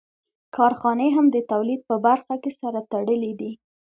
کارخانې هم د تولید په برخه کې سره تړلې دي